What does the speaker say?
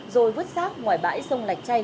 rồi vứt sát ngoài bãi sông lạch chay